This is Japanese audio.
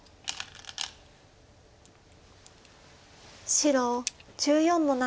白１４の七。